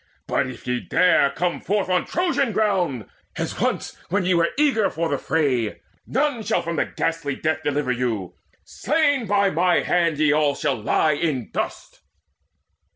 But if ye dare come forth on Trojan ground, As once when ye were eager for the fray, None shall from ghastly death deliver you: Slain by mine hand ye all shall lie in dust!"